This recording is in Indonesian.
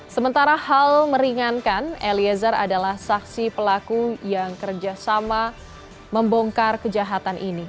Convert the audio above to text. sementara hal meringankan eliezer adalah saksi pelaku yang kerjasama membongkar kejahatan ini